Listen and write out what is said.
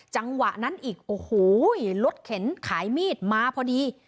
จังหวะนั้นอีกโอ้โหรถเข็นขายมีดมาพอดี